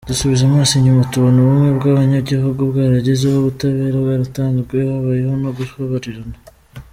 Dusubije amaso inyuma, tubona ubumwe bw’abanyagihugu bwaragezweho, ubutabera bwaratanzwe, habayeho no kubabarira.”